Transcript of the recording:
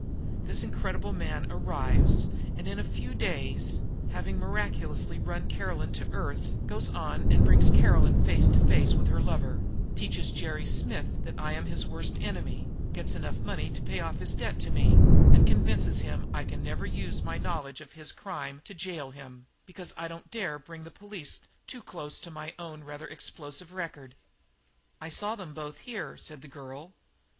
This incredible man arrives and, in a few days, having miraculously run Caroline to earth, goes on and brings Caroline face to face with her lover, teaches Jerry Smith that I am his worst enemy, gets enough money to pay off his debt to me, and convinces him that I can never use my knowledge of his crime to jail him, because I don't dare bring the police too close to my own rather explosive record." "I saw them both here!" said the girl.